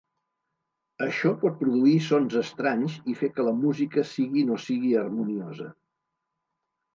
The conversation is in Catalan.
Això pot produir sons estranys i fer que la música sigui no sigui harmoniosa.